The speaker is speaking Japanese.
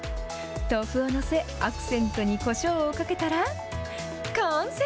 豆腐を載せ、アクセントにこしょうをかけたら完成。